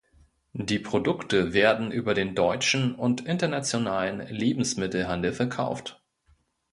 Die Produkte werden über den deutschen und internationalen Lebensmittelhandel verkauft.